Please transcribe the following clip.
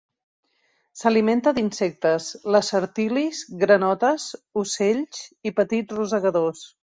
S'alimenta d'insectes, lacertilis, granotes, ocells, i petits rosegadors.